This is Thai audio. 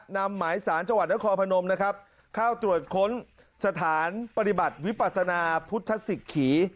นำหมายสารจังหวัดนครพนมนะครับเข้าตรวจค้นสถานปฏิบัติวิปัสนาพุทธศิกษี